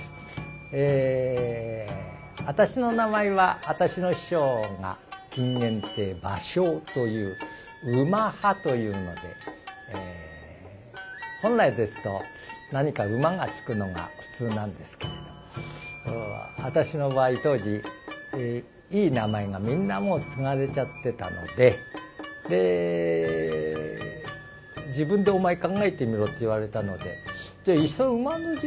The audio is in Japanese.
私の名前は私の師匠が金原亭馬生という馬派というので本来ですと何か「馬」が付くのが普通なんですけれども私の場合当時いい名前がみんなもう継がれちゃってたので「自分でお前考えてみろ」って言われたのでじゃあ